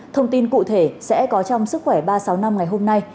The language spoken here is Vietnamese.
thông tin cụ thể sẽ có trong sức khỏe ba sáu năm ngày hôm nay